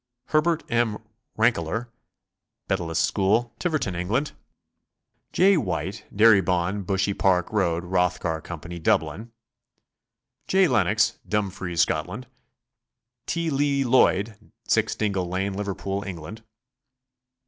Herbert M. Ranldlor, Blundeils School, Tiverton, England. J. White, Derrybawn, Bushey Park Road, Rothgar, Co. Dublin, J. Lennox, Dumfries, Scotland. T. Lee Lloyd, 0 Dingle Lane, Liverpool, England.